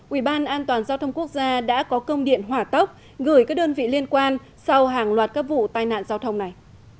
ubndgq đã có công điện hỏa tốc gửi các đơn vị liên quan sau hàng loạt các vụ tai nạn giao thông này